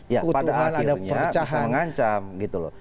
ya pada akhirnya bisa mengancam gitu loh